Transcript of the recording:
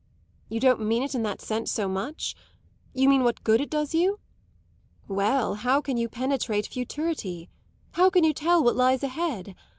You don't mean it in that sense so much? You mean what good it does you? Well, how can you penetrate futurity? How can you tell what lies ahead?